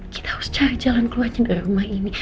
kita harus cari jalan keluar dari rumah ini